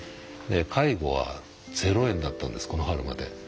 介護はゼロ円だったんですこの春まで。